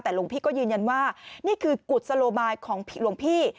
แต่หลวงพี่ก็ยืนยันว่านี่คือกุศโลบายของหลวงพี่